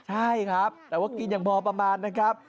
ใช่ครับแต่ว่ากินอย่างพอประมาณนะครับ